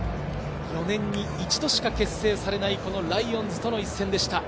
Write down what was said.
４年に１度しか結成されないライオンズとの一戦でした。